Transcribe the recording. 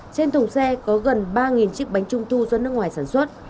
trên thùng xe có gần ba chiếc bánh trung thu do nước ngoài sản xuất